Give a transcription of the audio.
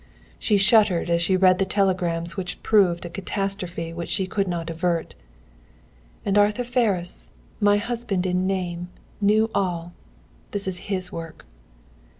She shuddered as she read the telegrams which proved a catastrophe which she could not avert. "And Arthur Ferris my husband in name knew all! This is his work!"